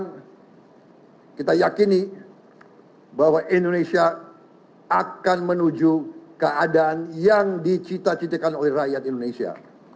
kita yakini bahwa indonesia akan menuju keadaan yang dicita citakan oleh rakyat indonesia